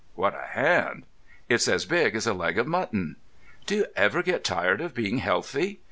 What a hand! It's as big as a leg of mutton. Do you ever get tired of being healthy?